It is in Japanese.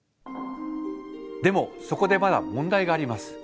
でもそこでまだ問題があります。